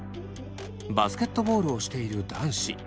バスケットボールをしている男子。